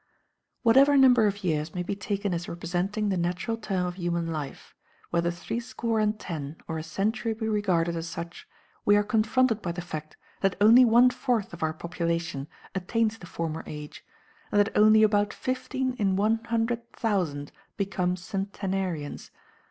Whatever number of years may be taken as representing the natural term of human life, whether threescore and ten or a century be regarded as such, we are confronted by the fact that only one fourth of our population attains the former age, and that only about fifteen in one hundred thousand become centenarians.